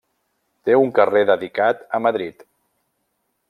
Té un carrer dedicat a Madrid.